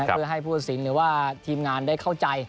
เพื่อให้ผู้ตัดสินหรือว่าทีมงานได้เข้าใจ